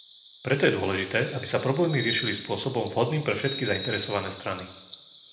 Preto je dôležité, aby sa problémy riešili spôsobom vhodným pre všetky zainteresované strany.